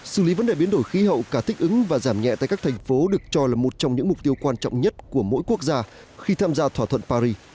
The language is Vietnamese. xử lý vấn đề biến đổi khí hậu cả thích ứng và giảm nhẹ tại các thành phố được cho là một trong những mục tiêu quan trọng nhất của mỗi quốc gia khi tham gia thỏa thuận paris